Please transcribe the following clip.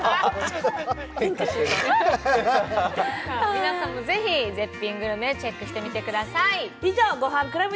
皆さんもぜひ絶品グルメをチェックしてみてください。